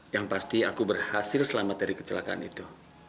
yang pasti aku berhasil selamat dari kecelakaan itu